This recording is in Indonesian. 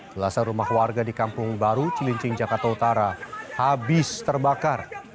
belasan rumah warga di kampung baru cilincing jakarta utara habis terbakar